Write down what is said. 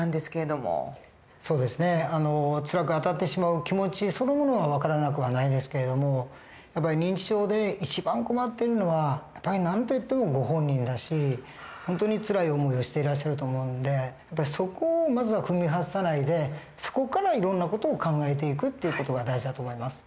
そうですねつらくあたってしまう気持ちそのものは分からなくはないですけど認知症で一番困っているのは何と言ってもご本人だし本当につらい思いをしていらっしゃると思うんでそこをまずは踏み外さないでそこからいろんな事を考えていくっていう事が大事だと思います。